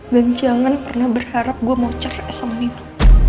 dan jangan pernah berharap gue mau cerai sama nino